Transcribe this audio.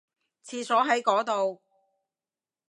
廁所喺嗰度